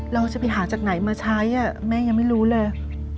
เราจะไปหาจากไหนมาใช้แม่ยังไม่รู้เลย